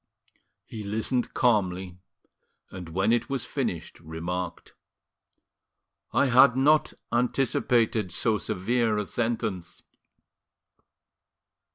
He listened calmly, and when it was finished, remarked: "I had not anticipated so severe a sentence."